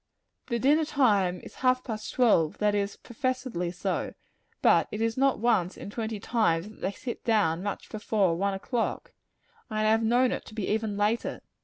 The dinner time is half past twelve that is, professedly so; but it is not once in twenty times that they sit down much before one o'clock and I have known it to be even later.